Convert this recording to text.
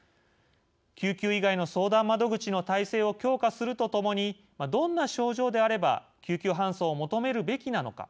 救急以外の相談窓口の体制を強化するとともにどんな症状であれば救急搬送を求めるべきなのか